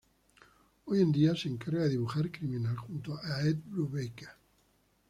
Hoy en día se encarga de dibujar Criminal, junto a Ed Brubaker.